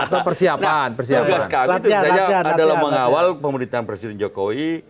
tugas kami itu saja adalah mengawal pemerintahan presiden jokowi